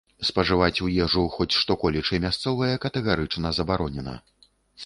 Спажываць у ежу хоць што-колечы мясцовае катэгарычна забаронена.